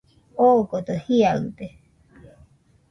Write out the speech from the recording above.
Odogo jiaɨde